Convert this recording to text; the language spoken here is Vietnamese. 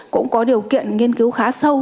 cũng có điều kiện nghiên cứu khá sâu